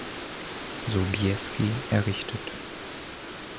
Sobieski errichtet.